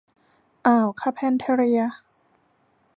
อ่าวคาร์เพนแทเรีย